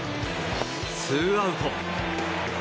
ツーアウト。